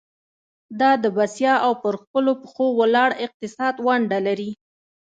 دا د بسیا او پر خپلو پخو ولاړ اقتصاد ونډه لري.